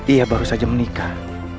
ia baru saja menikah